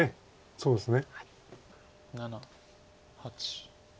そうですね。